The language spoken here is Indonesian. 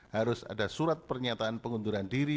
harus ada surat pernyataan pengunduran diri